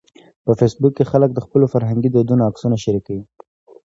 په فېسبوک کې خلک د خپلو فرهنګي دودونو عکسونه شریکوي